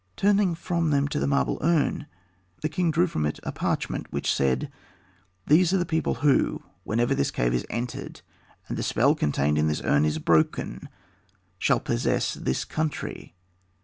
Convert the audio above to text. Turning from them to the marble urn, the king drew from it a parchment, which said: "These are the people who, whenever this cave is entered and the spell contained in this urn is broken, shall possess this country.